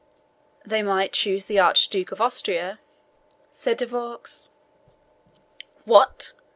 "They might choose the Archduke of Austria," said De Vaux. "What!